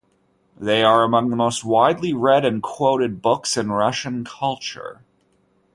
These are among the most widely read and quoted books in Russian culture.